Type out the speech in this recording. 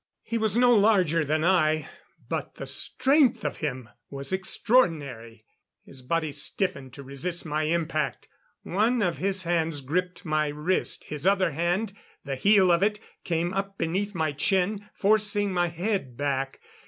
He was no larger than I, but the strength of him was extraordinary. His body stiffened to resist my impact; one of his hands gripped my wrist; his other hand the heel of it came up beneath my chin, forcing my head back.